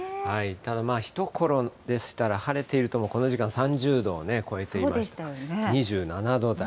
ただまあ、ひところでしたら、晴れているともう、この時間、３０度を超えていましたが、２７度台。